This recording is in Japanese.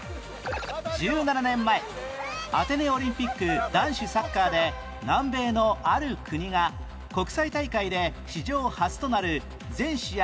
１７年前アテネオリンピック男子サッカーで南米のある国が国際大会で史上初となる全試合